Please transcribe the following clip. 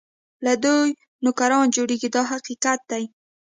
له دوی نوکران جوړېږي دا حقیقت دی.